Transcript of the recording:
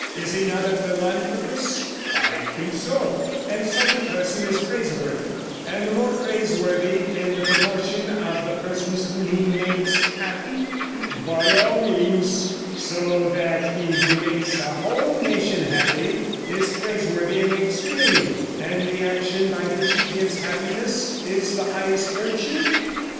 Is he not a philanthropist?' 'I think so.' 'And such a person is praiseworthy, and the more praiseworthy in the proportion of the persons whom he makes happy? ' 'By all means.' 'So that he who makes a whole nation happy is praiseworthy in the extreme, and the action by which he gives happiness is the highest virtue?'